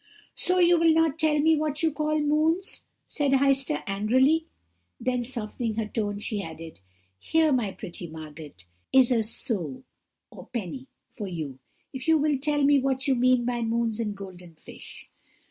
"'So you will not tell me what you call moons?' said Heister angrily; then, softening her tone, she added, 'Here, my pretty Margot, is a sou (or penny) for you, if you will tell me what you mean by moons and golden fish.'